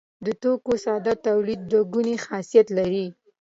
د توکو ساده تولید دوه ګونی خاصیت لري.